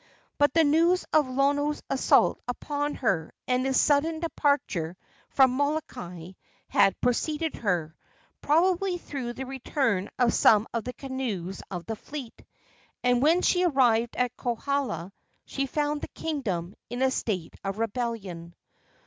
But the news of Lono's assault upon her and his sudden departure from Molokai had preceded her, probably through the return of some of the canoes of the fleet, and when she arrived at Kohala she found the kingdom in a state of rebellion.